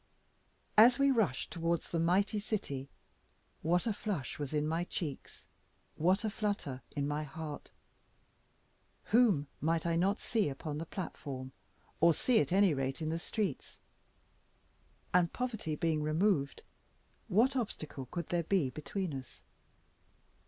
As we rushed towards the mighty city, what a flush was in my cheeks, what a flutter in my heart! Whom might I not see even upon the platform, or, at any rate, in the streets, and, poverty being removed, what obstacle could there be between us?